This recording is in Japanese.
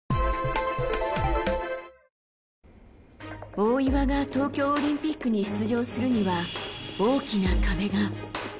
大岩が東京オリンピックに出場するには、大きな壁が。